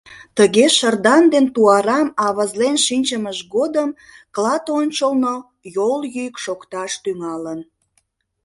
Тыге шырдан ден туарам авызлен шинчымыж годым клат ончылно йол йӱк шокташ тӱҥалын.